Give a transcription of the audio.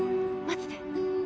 待ってて」